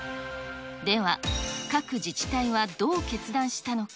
では、各自治体はどう決断したのか。